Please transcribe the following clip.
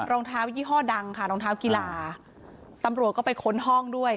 รองเท้ายี่ห้อดังค่ะรองเท้ากีฬาตำรวจก็ไปค้นห้องด้วย